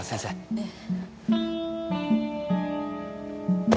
ええ。